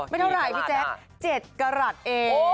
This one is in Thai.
ไม่เท่าไหร่พี่แจ๊ค๗กรัฐเอง